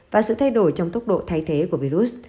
và sự thay đổi trong tốc độ thay thế của virus